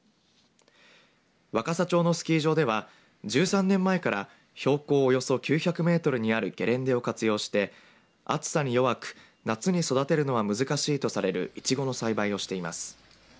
若桜町のスキー場では１３年前から標高およそ９００メートルにあるゲレンデを活用して暑さに弱く夏に育てるのは難しいとされるいちごの栽培をしています。